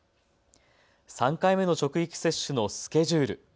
３回目の職域接種のスケジュール。